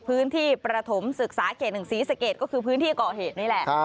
พื้นที่ประถมศึกษาเขต๑ศรีสเกตก็คือพื้นที่ก่อเหตุนี่แหละ